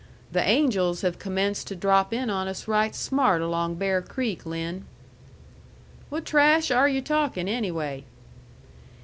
The angels have commenced to drop in on us right smart along Bear Creek, Lin." "What trash are yu' talkin' anyway?"